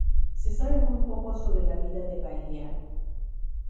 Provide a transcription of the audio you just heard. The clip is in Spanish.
Se sabe muy poco sobre la vida de Balián.